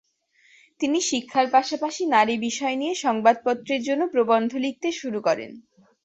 তিনি শিক্ষার পাশাপাশি নারী বিষয় নিয়ে সংবাদপত্রের জন্য প্রবন্ধ লিখতে শুরু করেন।